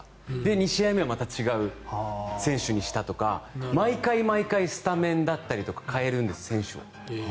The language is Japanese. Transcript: ２試合目はまた違う選手にしたとか毎回毎回スタメンだったりとか選手を代えるんです。